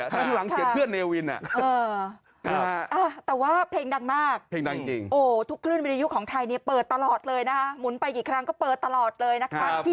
ทุกฮื่นวิวดียุคของไทยในอีกประกอบนะ